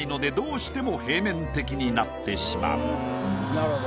なるほど。